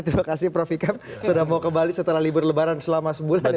terima kasih prof ikam sudah mau kembali setelah libur lebaran selama sebulan